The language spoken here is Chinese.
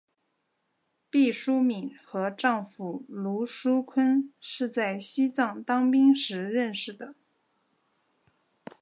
毕淑敏和丈夫芦书坤是在西藏当兵时认识的。